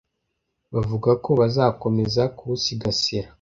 bavuga ko bazakomeza kuwusigasira